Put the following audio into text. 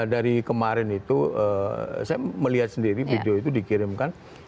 dari kemarin itu saya melihat sendiri video itu dikirimkan